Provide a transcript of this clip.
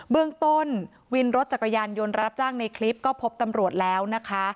เบื้องต้นวินรถจักรยานยนต์รับจ้างในคลิปก็พบตำรวจแล้วนะคะ